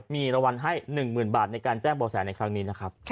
มีรวัลให้๑หมื่นบาทในการแจ้งเป่าแสนในครั้งนี้นะครับ